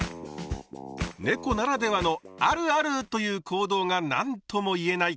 ねこならではの「あるある！」という行動が何とも言えない